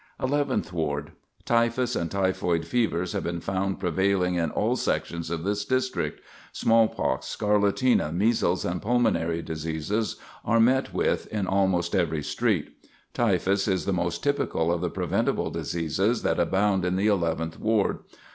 Eleventh Ward: Typhus and typhoid fevers have been found prevailing in all sections of this district. Smallpox, scarlatina, measles, and pulmonary diseases are met with in almost every street. Typhus is the most typical of the preventable diseases that abound in the Eleventh Ward.